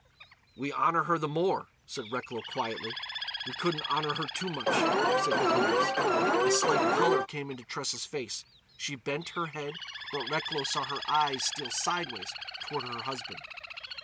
"We honour her the more," said Recklow quietly. "We couldn't honour her too much," said Cleves. A slight colour came into Tressa's face; she bent her head, but Recklow saw her eyes steal sideways toward her husband.